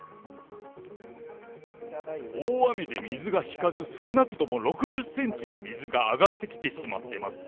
大雨で水が引かず、少なくとも６０センチも水が上がってきてしまってます。